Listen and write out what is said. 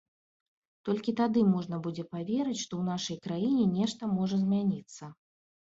Толькі тады можна будзе паверыць, што ў нашай краіне нешта можа змяніцца.